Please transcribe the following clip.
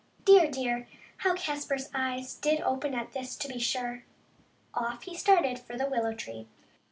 Dear, dear! How Caspar's eyes did open at this, to be sure. Off he started for the willow tree.